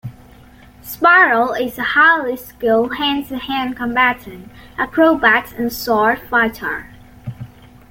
Spiral is a highly skilled hand-to-hand combatant, acrobat, and sword fighter.